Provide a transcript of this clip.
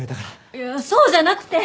いやそうじゃなくて。